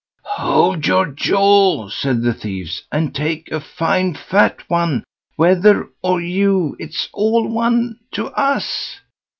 "Hold your jaw!" said the thieves, "and take a fine fat one, wether or ewe, its all one to us."